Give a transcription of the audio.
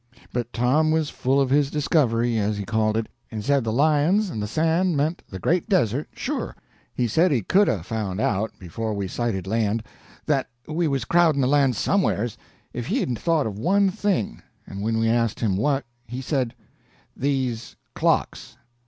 But Tom was full of his discovery, as he called it, and said the lions and the sand meant the Great Desert, sure. He said he could 'a' found out, before we sighted land, that we was crowding the land somewheres, if he had thought of one thing; and when we asked him what, he said: "These clocks.